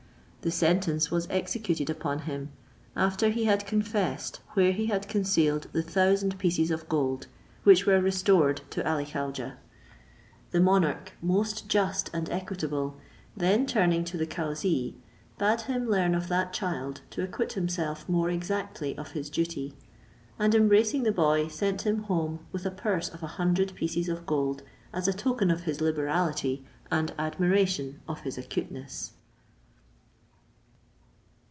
The sentence was executed upon him, after he had confessed where he had concealed the thousand pieces of gold, which were restored to Ali Khaujeh. The monarch, most just and equitable, then turning to the cauzee, bade him learn of that child to acquit himself more exactly of his duty; and embracing the boy, sent him home with a purse of a hundred pieces of gold as a token of his liberality and admiration of his acuteness.